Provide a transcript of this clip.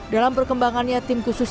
dalam perkembangannya tim khusus